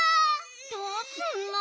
どうすんの？